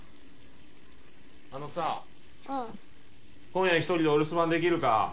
今夜１人でお留守番できるか？